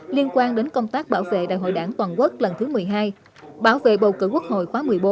liên quan đến công tác bảo vệ đại hội đảng toàn quốc lần thứ một mươi hai bảo vệ bầu cử quốc hội khóa một mươi bốn